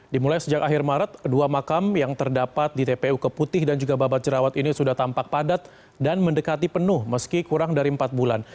dimulai sejak akhir maret dua makam yang terdapat di tpu keputih dan juga babat jerawat ini sudah tampak padat dan mendekati penuh meski kurang dari empat bulan